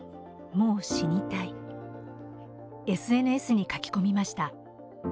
「もう死にたい」、ＳＮＳに書き込みました。